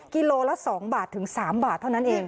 กิโลละ๒บาทถึง๓บาทเท่านั้นเอง